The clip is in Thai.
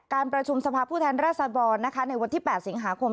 การประชุมสภาพผู้แทนราษฎรในวันที่๘สิงหาคม